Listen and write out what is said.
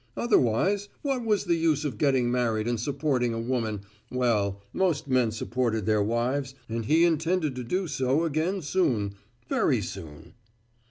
Otherwise, what was the use of getting married and supporting a woman well, most men supported their wives, and he intended to do so again soon, very soon.